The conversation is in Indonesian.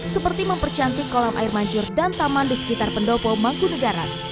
seperti mempercantik kolam air mancur dan taman di sekitar pendopo mangkunegara